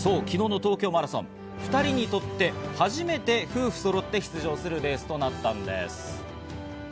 昨日の東京マラソン、２人にとって初めて夫婦そろって出場するレースとなったんです。